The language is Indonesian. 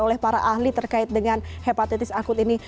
oleh para ahli terkait dengan hepatitis akut ini